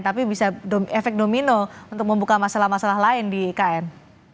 tapi bisa efek domino untuk membuka masalah masalah lain di ikn